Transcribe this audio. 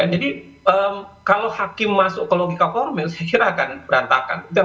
jadi kalau hakim masuk ke logika formil saya kira akan berantakan